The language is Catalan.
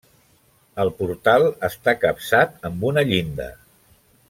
El portal està capçat amb una llinda.